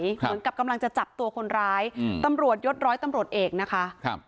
เหมือนกับกำลังจะจับตัวคนร้ายอืมตำรวจยศร้อยตำรวจเอกนะคะครับ